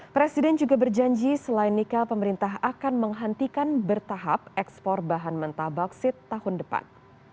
presiden juga berjanji selain nikel pemerintah akan menghentikan bertahap ekspor bahan mentah bauksit tahun depan